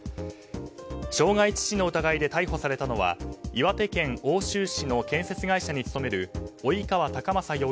傷害致死の疑いで逮捕されたのは岩手県奥州市の建設会社に勤める及川孝将